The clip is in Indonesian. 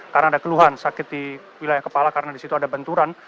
karena ada keluhan sakit di wilayah kepala karena disitu ada benturan